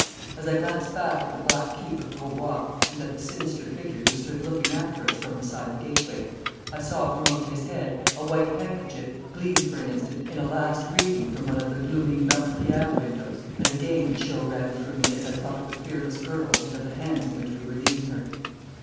As I glanced back at the black keep of Grosbois, and at the sinister figure who stood looking after us from beside the gateway, I saw from over his head a white handkerchief gleam for an instant in a last greeting from one of the gloomy meurtriere windows, and again a chill ran through me as I thought of the fearless girl and of the hands in which we were leaving her.